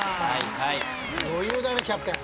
余裕だねキャプテン。